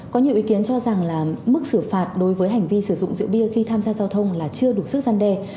có nhiều ý kiến cho rằng là mức xử phạt đối với hành vi sử dụng rượu bia khi tham gia giao thông là chưa đủ sức gian đe